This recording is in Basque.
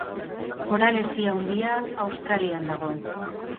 Koral Hesi Handia Australian dago.